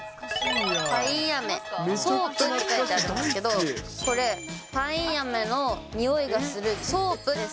パインアメ、ソープと書いてありますけど、これ、パインアメの匂いがするソープです。